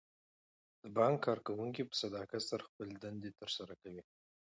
د بانک کارکوونکي په صداقت سره خپلې دندې ترسره کوي.